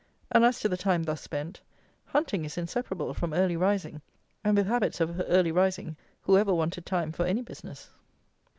And as to the time thus spent, hunting is inseparable from early rising: and with habits of early rising, who ever wanted time for any business?